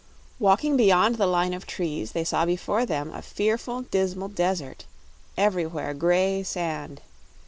Walking beyond the line of trees they saw before them a fearful, dismal desert, everywhere gray sand.